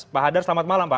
pak hadar selamat malam pak